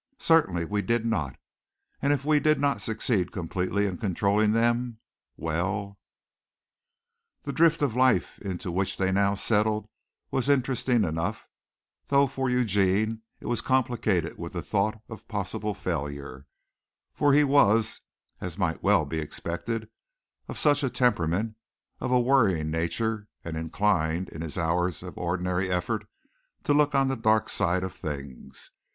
Certainly we did not, and if we did not succeed completely in controlling them well The drift of life into which they now settled was interesting enough, though for Eugene it was complicated with the thought of possible failure, for he was, as might well be expected of such a temperament, of a worrying nature, and inclined, in his hours of ordinary effort, to look on the dark side of things.